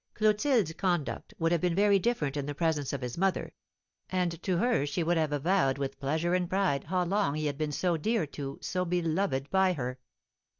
Clotilde's conduct would have been very different in the presence of his mother, and to her she would have avowed with pleasure and pride how long he had been so dear to, so beloved by, her.